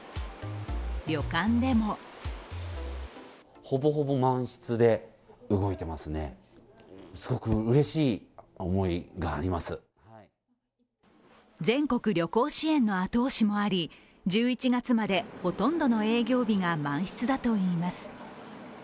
旅館でも全国旅行支援の後押しもあり１１月までほとんどの営業日が満室だといいます。